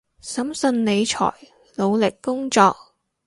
審慎理財，努力工作